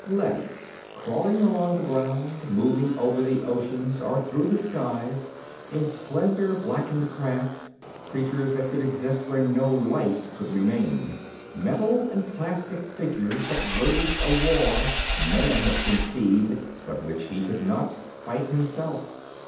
Leadys, crawling along the ground, moving over the oceans or through the skies in slender, blackened craft, creatures that could exist where no life could remain, metal and plastic figures that waged a war Man had conceived, but which he could not fight himself.